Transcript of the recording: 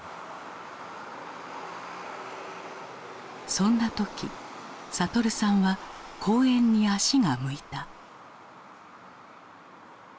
そんな時悟さんは公園に足が向いた。